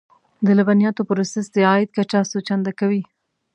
د لبنیاتو پروسس د عاید کچه څو چنده کوي.